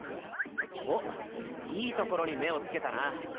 おっいいところに目をつけたな。